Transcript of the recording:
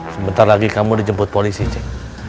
sebentar lagi kamu dijemput polisi cek